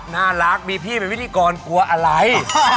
น่ารักมีพี่เป็นพิธีกรกลัวอะไร